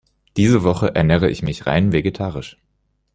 Diese Woche ernähre ich mich rein vegetarisch.